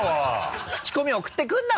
クチコミ送ってくるな！